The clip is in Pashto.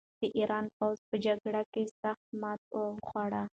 د ایران پوځ په جګړه کې سخته ماته وخوړه.